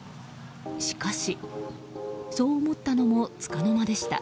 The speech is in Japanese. しかし、そう思ったのもつかの間でした。